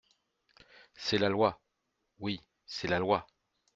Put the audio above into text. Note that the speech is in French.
C’est la loi ! Oui c’est la loi.